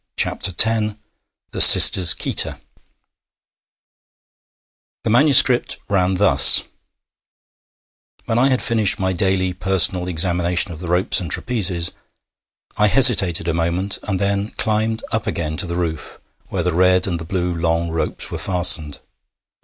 THE SISTERS QITA The manuscript ran thus: When I had finished my daily personal examination of the ropes and trapezes, I hesitated a moment, and then climbed up again, to the roof, where the red and the blue long ropes were fastened.